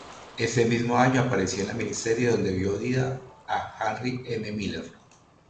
Ese mismo año apareció en la miniserie donde dio vida a Harry M. Miller.